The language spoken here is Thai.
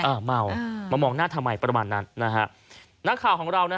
อ่าเมามามองหน้าทำไมประมาณนั้นนะฮะนักข่าวของเรานะฮะ